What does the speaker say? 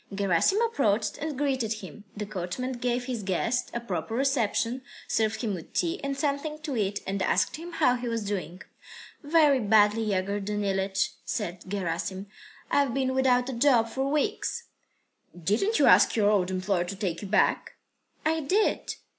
Gerasim approached and greeted him. The coachman gave his guest a proper reception, served him with tea and something to eat, and asked him how he was doing. "Very badly, Yegor Danilych," said Gerasim. "I've been without a job for weeks." "Didn't you ask your old employer to take you back?" "I did."